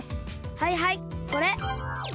はいはいこれ。